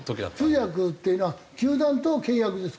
通訳っていうのは球団と契約ですか？